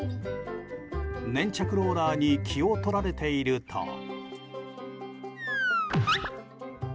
粘着ローラーに気を取られていると。